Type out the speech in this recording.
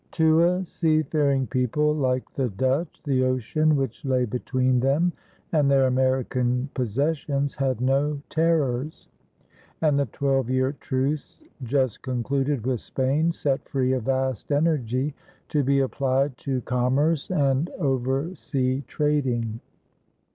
To a seafaring people like the Dutch, the ocean which lay between them and their American possessions had no terrors, and the twelve year truce just concluded with Spain set free a vast energy to be applied to commerce and oversea trading.